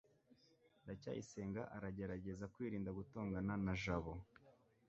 ndacyayisenga aragerageza kwirinda gutongana na jabo